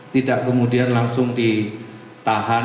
tidak kemudian langsung ditahan